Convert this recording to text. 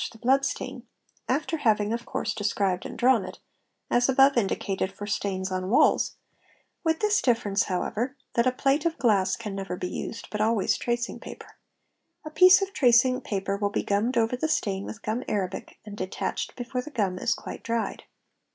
the blood stain, (after having of course described and drawn it), as above indicated for stains on walls, with this difference however, that a plate of glass can never be used, but always tracing paper; a piece of tracing paper will be gummed over the stain with gum arabic and detached ~ before the gum is quite dried.